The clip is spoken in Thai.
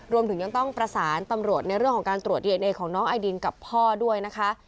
รวมถึงยังต้องประสานตำรวจในเรื่องของการตรวจดีเอนเอของน้องไอดินกับพ่อด้วยนะคะ